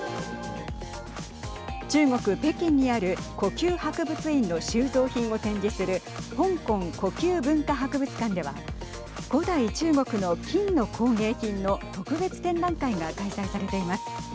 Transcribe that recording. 中国北京にある故宮博物院の収蔵品を展示する香港故宮文化博物館では古代中国の金の工芸品の特別展覧会が開催されています。